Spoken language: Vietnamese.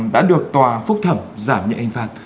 đã được tòa phúc thẩm giảm nhận anh phạt